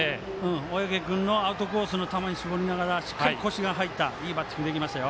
小宅君のアウトコースの球に絞りながらしっかり腰が入ったいいバッティングができました。